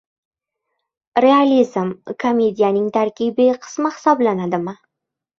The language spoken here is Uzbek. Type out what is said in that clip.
Realizm komediyaning tarkibiy qismi hisoblanadimi?